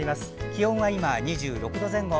気温は今、２６度前後。